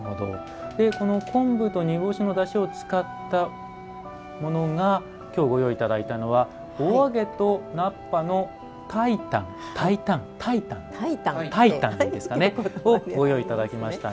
昆布と煮干しのだしを使ったものが今日、ご用意いただいたのが「お揚げと菜っぱの炊いたん」をご用意いただきました。